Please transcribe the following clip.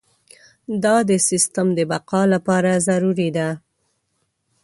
دا د سیستم د بقا لپاره ضروري ده.